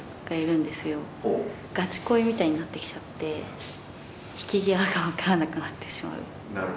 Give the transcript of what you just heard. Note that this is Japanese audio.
ガチ恋みたいになってきちゃって引き際が分からなくなってしまう。